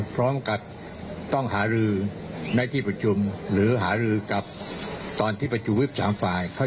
พร้อมกับต้องหารือในที่ประชุมหรือหารือกับตอนที่ประชุมวิบ๓ฝ่าย